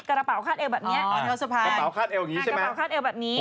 กระเป๋าคาดเอลแบบนี้ใช่ไหมกระเป๋าคาดเอลแบบนี้